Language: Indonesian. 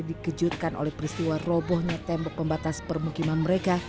dikejutkan oleh peristiwa robohnya tembok pembatas permukiman mereka